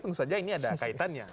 tentu saja ini ada kaitannya